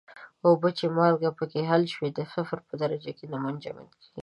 اوبه چې مالګه پکې حل شوې په صفر درجه کې نه منجمد کیږي.